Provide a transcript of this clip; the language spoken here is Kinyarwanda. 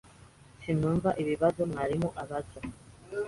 Sinumva ibibazo mwarimu abaza.